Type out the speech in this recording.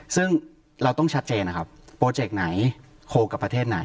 ซึ่งเราต้องชัดเจนนะครับโปรเจกต์ไหนโคลกับประเทศไหน